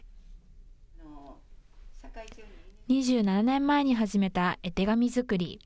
２７年前に始めた絵手紙作り。